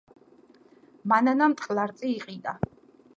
მანანამ ტყლარწი იყიდა